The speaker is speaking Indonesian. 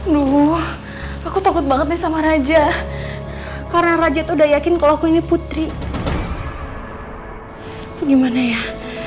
luhuh aku takut banget nih sama raja karena raja itu udah yakin kalau aku ini putri gimana ya